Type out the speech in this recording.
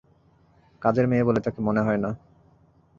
কাজের মেয়ে বলে তাকে মনে হয় না।